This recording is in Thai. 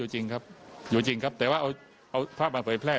จริงครับอยู่จริงครับแต่ว่าเอาภาพมาเผยแพร่